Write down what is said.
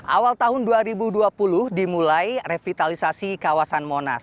awal tahun dua ribu dua puluh dimulai revitalisasi kawasan monas